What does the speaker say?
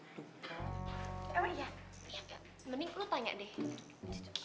mending lu tanya deh